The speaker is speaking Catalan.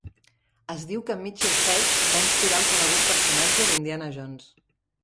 Es diu que Mitchell-Hedges va inspirar el conegut personatge d'Indiana Jones.